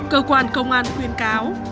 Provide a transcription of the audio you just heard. cơ quan công an khuyên cáo